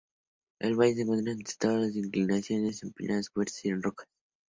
El valle se encuentra entre dos inclinaciones empinados, cubiertas con rocas.